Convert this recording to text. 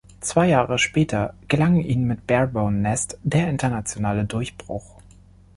Zwei Jahre später gelang ihnen mit "Bare Bone Nest" der internationale Durchbruch.